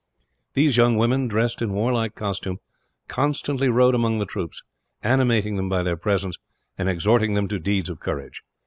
These young women, dressed in warlike costume, constantly rode among the troops; animating them by their presence, and exhorting them to deeds of courage.